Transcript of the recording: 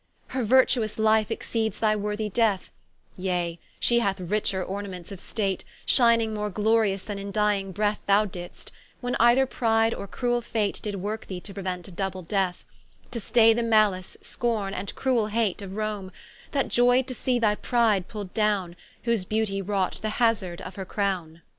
Her virtuo[u]s life exceeds thy worthy death, Yea, she hath richer ornaments of state, Shining more glorious than in dying breath Thou didst; when either pride, or cruell fate, Did worke thee to preuent a double death; To stay the malice, scorne and cruell hate Of Rome; that joy'd to see thy pride pull'd downe, Whose Beauty wrought the hazard of her Crowne.